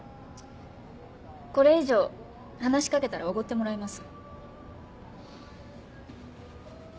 これ以上話し掛けたらおごってもらいます。